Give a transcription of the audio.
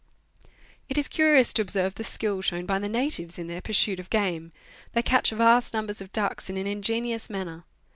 It is curious to observe the skill shown by the natives in their pursuit of game. They catch vast numbers of ducks in an ingeni ous manner.